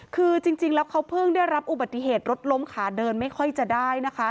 คือจริงแล้วเขาเพิ่งได้รับอุบัติเหตุรถล้มขาเดินไม่ค่อยจะได้นะคะ